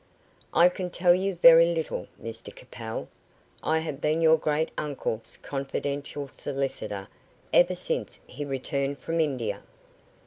"I can tell you very little, Mr Capel. I have been your great uncle's confidential solicitor ever since he returned from India.